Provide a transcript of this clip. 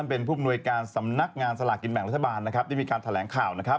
เป็นผู้ปนวยการสำนักงานสลากกินแบ่งรัฐบาลที่มีการแถลงข่าว